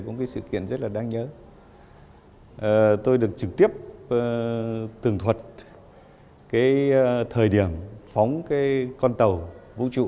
có một cái sự kiện rất là đáng nhớ tôi được trực tiếp tường thuật cái thời điểm phóng cái con tàu vũ trụ